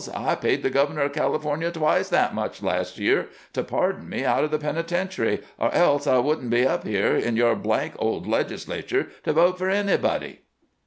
I paid the governor of California twice that much last year to pardon me out of the penitentiary, or else I would n't be up here in your blank old legislature to vote for any body